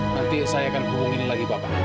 nanti saya akan hubungi lagi bapak